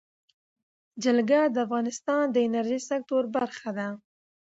جلګه د افغانستان د انرژۍ سکتور برخه ده.